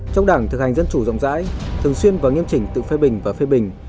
trong đảng thực hành dân chủ rộng rãi thường xuyên và nghiêm chỉnh tự phê bình và phê bình